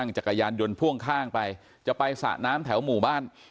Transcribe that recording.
จักรยานยนต์พ่วงข้างไปจะไปสระน้ำแถวหมู่บ้าน